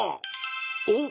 おっ！